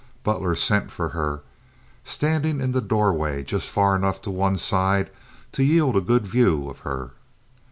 Butler sent for her, standing in the doorway just far enough to one side to yield a good view of her.